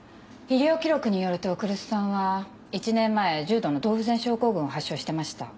医療記録によると来栖さんは１年前重度の洞不全症候群を発症してました。